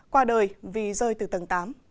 qua đời vì rơi từ tầng tám